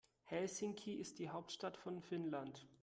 Helsinki ist die Hauptstadt von Finnland.